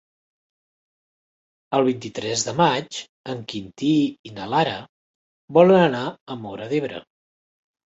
El vint-i-tres de maig en Quintí i na Lara volen anar a Móra d'Ebre.